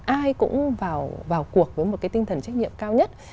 ai cũng vào cuộc với một cái tinh thần trách nhiệm cao nhất